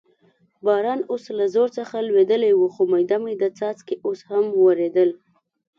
باران اوس له زور څخه لوېدلی و، خو مېده مېده څاڅکي اوس هم ورېدل.